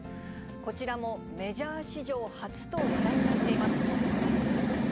こちらもメジャー史上初と話題になっています。